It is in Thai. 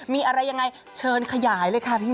มีอะไรยังไงเชิญขยายเลยค่ะพี่